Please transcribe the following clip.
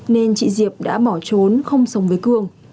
nên chị diệp đã bỏ trốn không sống với cương